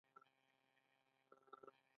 چای د فکرونو ملګری دی.